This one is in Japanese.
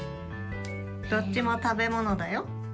どっちもたべものだよ。